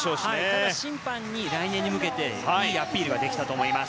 ただ審判に来年に向けていいアピールができたと思います。